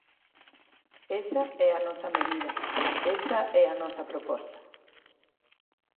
Esa é a nosa medida; esa é a nosa proposta.